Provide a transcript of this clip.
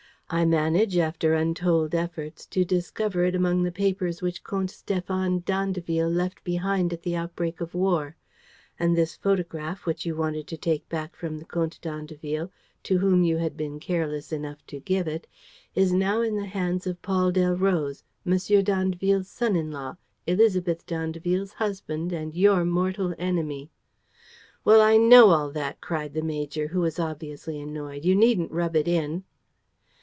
I manage, after untold efforts, to discover it among the papers which Comte Stéphane d'Andeville left behind at the outbreak of war. And this photograph, which you wanted to take back from the Comte d'Andeville, to whom you had been careless enough to give it, is now in the hands of Paul Delroze, M. d'Andeville's son in law, Élisabeth d'Andeville's husband and your mortal enemy!" "Well, I know all that," cried the major, who was obviously annoyed. "You needn't rub it in!"